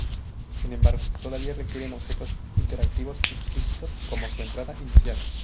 Sin embargo, todavía requieren objetos interactivos explícitos como su entrada inicial.